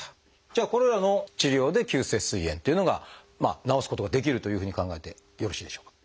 じゃあこれらの治療で急性すい炎っていうのが治すことができるというふうに考えてよろしいでしょうか？